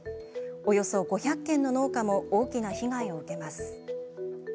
およそ５００軒の農家も大きな被害を受けます。